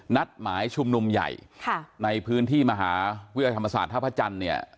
นัดหมายชุมนุมใหญ่ในพื้นที่มหาวิทยาลัยธรรมศาสตร์ท่าพระจันทร์เนี่ย